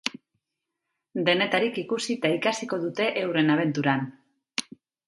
Denetarik ikusi eta ikasiko dute euren abenturan.